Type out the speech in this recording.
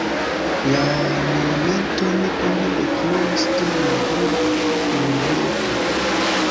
La monumenton oni detruis dum la dua mondmilito.